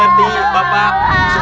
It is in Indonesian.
pak intinya dadah kepalnya